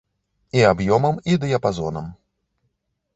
І аб'ёмам і дыяпазонам.